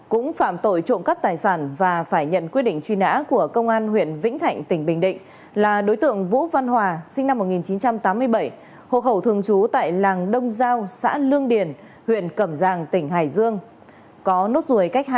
cũng phạm tội trộm cắt tài sản và phải nhận quyết định truy nã của công an huyện vĩnh thạnh tỉnh bình định là đối tượng vũ văn hòa sinh năm một nghìn chín trăm tám mươi bảy hộ khẩu thường trú tại làng đông giao xã lương điền huyện cẩm giang tỉnh hải dương